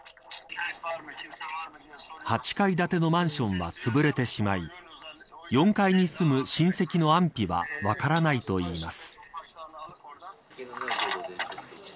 ８階建てのマンションはつぶれてしまい４階に住む親戚の安否は分からないといいます。